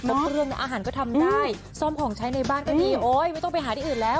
แล้วเครื่องนะอาหารก็ทำได้ซ่อมของใช้ในบ้านก็ดีโอ๊ยไม่ต้องไปหาที่อื่นแล้ว